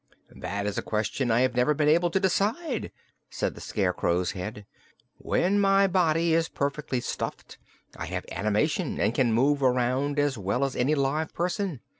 "That is a question I have never been able to decide," said the Scarecrow's head. "When my body is properly stuffed I have animation and can move around as well as any live person.